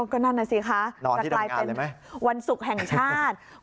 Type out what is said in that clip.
ก็นั่นน่ะสิคะจะกลายเป็นวันศุกร์แห่งชาติ